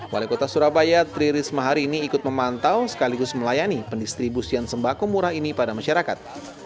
wali kota surabaya tri risma hari ini ikut memantau sekaligus melayani pendistribusian sembako murah ini pada masyarakat